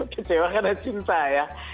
kecewa karena cinta ya